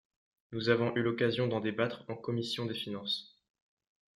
Nous avons eu l’occasion d’en débattre en commission des finances.